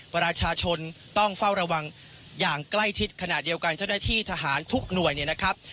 ประชาชนต้องเฝ้าระวังอย่างใกล้ชิดขณะเดียวกันเจ้าหน้าที่ทหารทุกหน่วยเนี่ยนะครับ